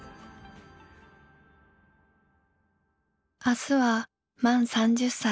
「明日は満３０才。